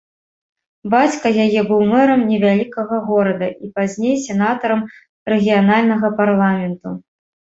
Бацька яе быў мэрам невялікага горада і пазней сенатарам рэгіянальнага парламенту.